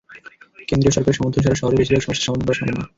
কেন্দ্রীয় সরকারের সমর্থন ছাড়া শহরের বেশির ভাগ সমস্যার সমাধান করা সম্ভব না।